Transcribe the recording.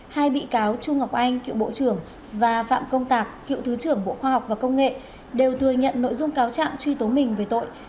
hai bị cáo trung ngọc anh cựu bộ trưởng và phạm công tạc cựu thứ trưởng bộ khoa học và công nghệ đều thừa nhận nội dung cáo trạng truy tố mình về tội